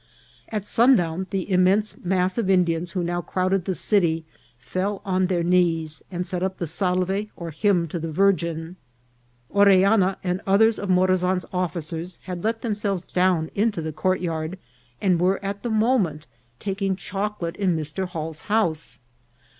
At sundown the immense mass of In dians who now crowded the city fell on their knees, and set up the Salve or hymn to the Virgin. Orellana and others of Morazan's officers had let themselves down into the courtyard, and were at the moment ta king chocolate in Mr. Hall's house.